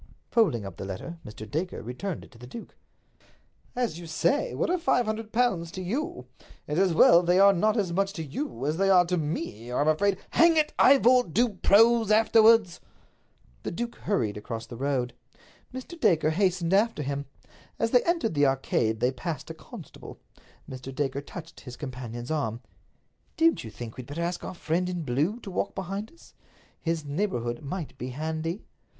Folding up the letter, Mr. Dacre returned it to the duke. "As you say, what are five hundred pounds to you? It's as well they are not as much to you as they are to me, or I'm afraid—" "Hang it, Ivor, do prose afterwards!" The duke hurried across the road. Mr. Dacre hastened after him. As they entered the Arcade they passed a constable. Mr. Dacre touched his companion's arm. "Don't you think we'd better ask our friend in blue to walk behind us? His neighborhood might be handy."